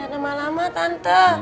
jangan lama lama tante